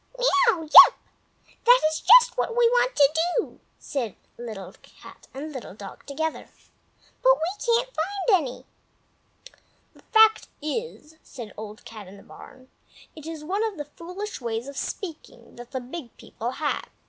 "Miaouw!" "Yap!" "That is just what we want to do!" said Little Cat and Little Dog together; "but we can't find any." "The fact is," said Old Cat in the Barn, "it is one of the foolish ways of speaking that the Big People have.